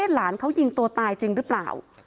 หลานเขายิงตัวตายจริงหรือเปล่า